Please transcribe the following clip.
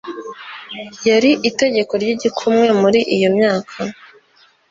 yari itegeko ry'igikumwe muri iyo myaka